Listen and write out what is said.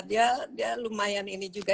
dia lumayan ini juga